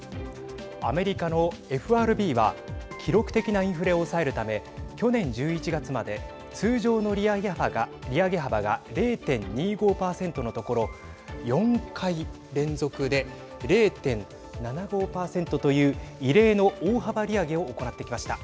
アメリカのＦＲＢは記録的なインフレを抑えるため去年１１月まで通常の利上げ幅が０．２５％のところ４回連続で０．７５％という異例の大幅利上げを行ってきました。